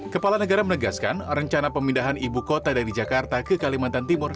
kepala negara menegaskan rencana pemindahan ibu kota dari jakarta ke kalimantan timur